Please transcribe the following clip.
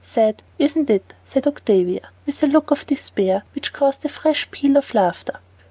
Sad, isn't it?" said Octavia, with a look of despair, which caused a fresh peal of laughter.